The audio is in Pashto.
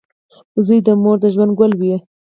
• زوی د مور د ژوند ګل وي.